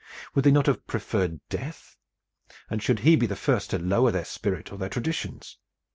Would they not have preferred death? And should he be the first to lower their spirit or their traditions?